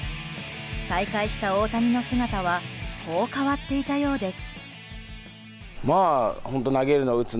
再会した大谷の姿はこう変わっていたようです。